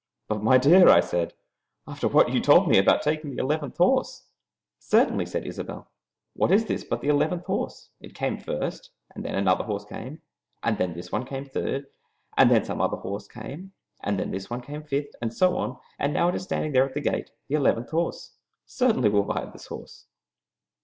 "But, my dear," I said, "after what you told me about taking the eleventh horse?" "Certainly," said Isobel. "What is this but the eleventh horse? It came first, and then another horse came, and then this one came third, and then some other horse came, and then this one came fifth, and so on, and now it is standing there at the gate, the eleventh horse. Certainly we will buy this horse."